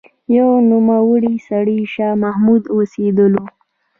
يو نوموړی سړی شاه محمد اوسېدلو